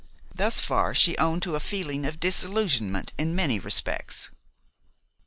Thus far, she owned to a feeling of disillusionment in many respects.